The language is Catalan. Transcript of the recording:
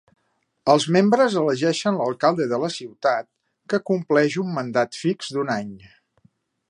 Els membres elegeixen l'alcalde de la ciutat, que compleix un mandat fix d'un any.